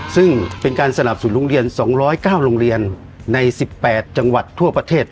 ซึ่งเป็นการสนับสนุนโรงเรียน๒๐๙โรงเรียนใน๑๘จังหวัดทั่วประเทศ